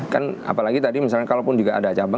kan apalagi tadi misalnya kalau pun jika ada cabang